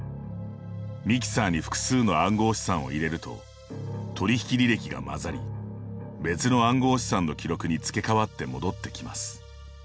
ミキサーに複数の暗号資産を入れると取引履歴が混ざり別の暗号資産の記録に付け変わって戻ってきます。